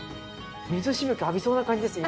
水しぶき浴びそうな感じです